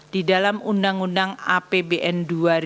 di dalam undang undang apbn dua ribu dua puluh